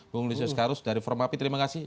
bung lusius karus dari formapi terima kasih